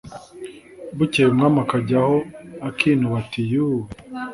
bukeye umwami akajya aho akinuba ati 'yuu